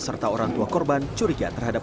serta orang tua korban curiga terhadap